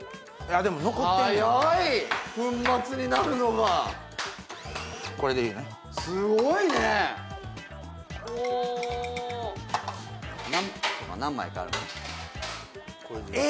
でも残ってんな早い粉末になるのがこれでいいねすごいねおおえ！